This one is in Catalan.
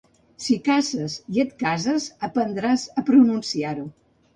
Si caces i et cases aprendràs a pronunciar-ho